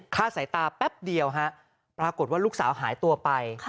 ฆ่าสายตาแป๊บเดียวฮะปรากฏว่าลูกสาวหายตัวไป